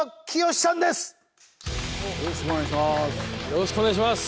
よろしくお願いします。